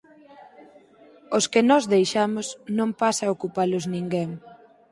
Os que nós deixamos non pasa a ocupalos ninguén.